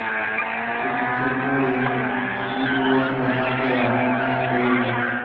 Su concepto de ""individuo"" es semejante al de ""mónada"" de Leibniz.